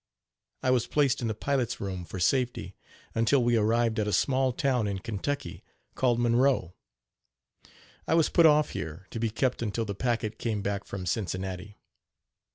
I was placed in the pilot's room for safety, until we arrived at a small town in Kentucky called Monroe. I was put off here to be kept until the packet came back from Cincinnati.